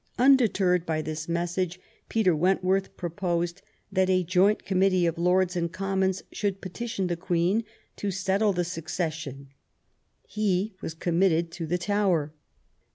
Undeterred by this message, Peter Wentworth proposed that a joint committee of Lords and Commons should petition the Queen to settle the succession ; he was committed to the Tower.